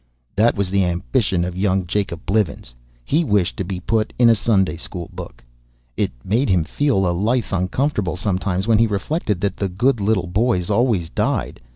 That was the ambition of young Jacob Blivens. He wished to be put in a Sunday school book. It made him feel a little uncomfortable sometimes when he reflected that the good little boys always died.